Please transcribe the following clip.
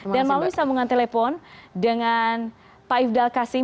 dan mau disambungkan telepon dengan pak ifdal kasim